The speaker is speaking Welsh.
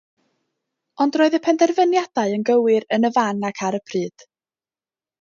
Ond roedd y penderfyniadau yn gywir yn y fan ac ar y pryd.